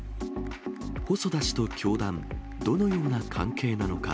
細田氏と教団、どのような関係なのか。